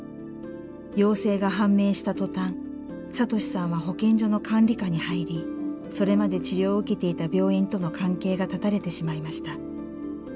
陽性が判明した途端聡士さんは保健所の管理下に入りそれまで治療を受けていた病院との関係が絶たれてしまいました。